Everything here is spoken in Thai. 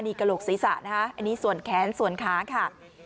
นี่กระโหลกศีรษะนะคะอันนี้ส่วนแขนส่วนขาค่ะ